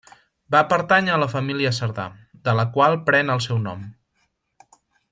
Va pertànyer a la família Cerdà, de la qual pren el seu nom.